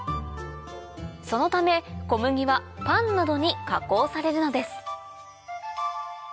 そのため小麦はパンなどに加工されるのです